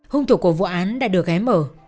hùng thủ của vụ án đã được ghé mở